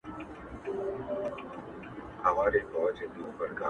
پر خپلو پښو د خپل قاتل غیږي ته نه ورځمه؛